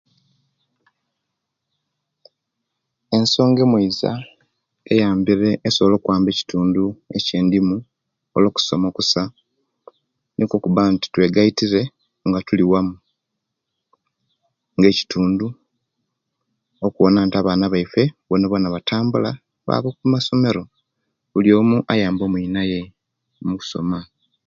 Ensonga emoiza eyambire esobola okwamba ekitundu echindimu olwo'kusoma okusa nikwo okubanti twegaitire nga tuliwamu nga ekitundu okuwona nti abana baife bonabona batambula baba kumasomero buli omu ayambe omwinaye mukusoma